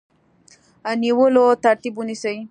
نیولو ترتیب ونیسي.